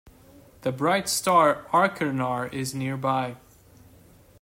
The bright star Achernar is nearby.